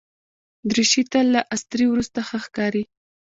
دریشي تل له استري وروسته ښه ښکاري.